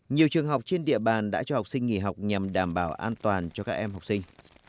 nhiều trường học trên địa bàn đã cho học sinh nghỉ học nhằm đảm bảo an toàn cho các em học sinh